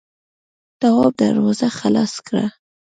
تواب دروازه خلاصه کړه.